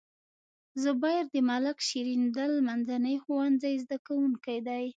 زبير د ملک شیریندل منځني ښوونځي زده کوونکی دی.